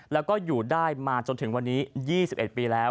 แล้วก็อยู่ได้มาจนถึงวันนี้๒๑ปีแล้ว